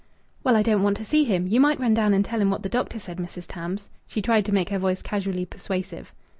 "Well, I don't want to see him. You might run down and tell him what the doctor said, Mrs. Tams." She tried to make her voice casually persuasive.